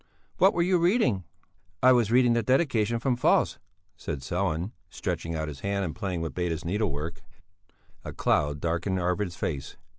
"What were you reading?" "I was reading the Dedication from Faust," said Sellén, stretching out his hand and playing with Beda's needlework. A cloud darkened Arvid's face.